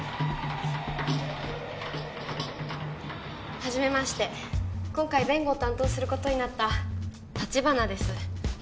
はじめまして今回弁護を担当することになった立花です